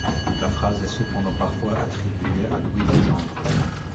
La phrase est cependant parfois attribuée à Louis Legendre.